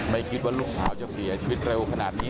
ไม่คิดว่าลูกสาวจะเสียชีวิตเร็วขนาดนี้